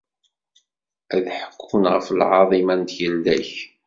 Ad ḥekkun ɣef lɛaḍima n tgelda-k.